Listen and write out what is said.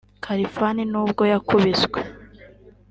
Kalifan n’ubwo yakubiswe